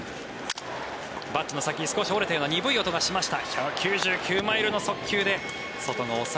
バットの先、少し折れたような鈍い音がしました。